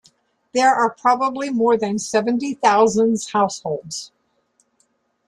There are probably more than seventy thousands households.